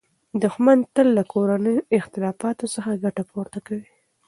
دښمن تل له کورنیو اختلافاتو څخه ګټه پورته کوي.